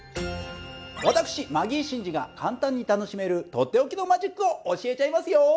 私マギー審司が簡単に楽しめるとっておきのマジックを教えちゃいますよ。